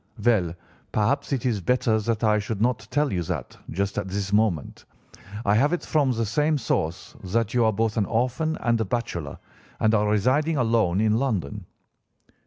"'Well, perhaps it is better that I should not tell you that just at this moment. I have it from the same source that you are both an orphan and a bachelor and are residing alone in London.